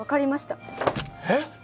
えっ！？